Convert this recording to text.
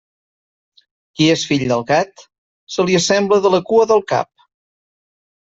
Qui és fill del gat, se li assembla de la cua o del cap.